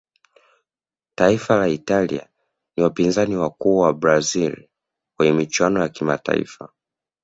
taifa la italia ni wapinzani wakuu wa brazil kwenye michuano ya kimataifa